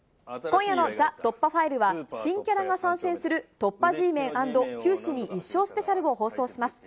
今夜のＴＨＥ突破ファイルは、新キャラが参戦する突破Ｇメン＆九死に一生スペシャルを放送します。